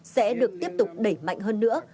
sẽ được tiếp tục đẩy mạnh hơn nữa